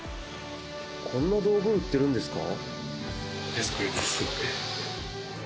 こんな道具売ってるんですか？